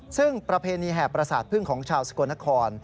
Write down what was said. ซึ่งประเพณีแห่ประสาทพึ่งของชาวสกลนคร